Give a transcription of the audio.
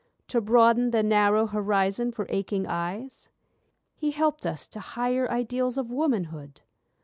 To broaden the narrow horizon for aching eyes? He helped us to higher ideals of womanhood'?